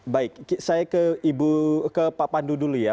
baik saya ke pak pandu dulu ya